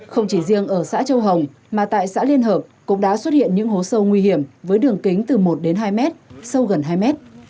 không chỉ riêng ở xã châu hồng mà tại xã liên hợp cũng đã xuất hiện những hố sâu nguy hiểm với đường kính từ một đến hai mét sâu gần hai mét